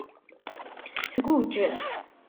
Tguǧǧ.